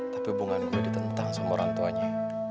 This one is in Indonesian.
tapi bukan gue ditentang sama orang tuanya